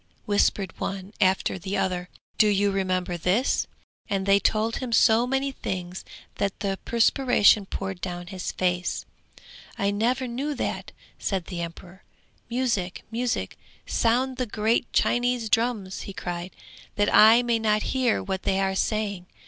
whispered one after the other; 'Do you remember this?' and they told him so many things that the perspiration poured down his face. 'I never knew that,' said the emperor. 'Music, music, sound the great Chinese drums!' he cried, 'that I may not hear what they are saying.'